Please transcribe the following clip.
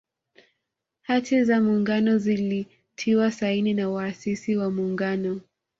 Hati za Muungano zilitiwa saini na waasisi wa Muungano